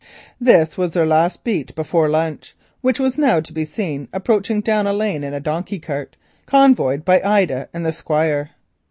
This was their last beat before lunch, which was now to be seen approaching down a lane in a donkey cart convoyed by Ida and the Squire.